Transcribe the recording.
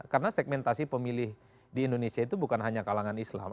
karena segmentasi pemilih di indonesia itu bukan hanya kalangan islam